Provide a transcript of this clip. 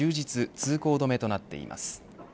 通行止めとなっています。